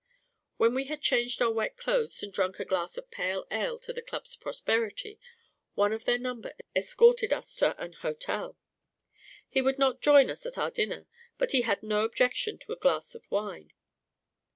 When we had changed our wet clothes and drunk a glass of pale ale to the Club's prosperity, one of their number escorted us to an hotel. He would not join us at our dinner, but he had no objection to a glass of wine.